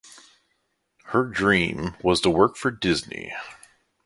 Her dream was to work for Disney.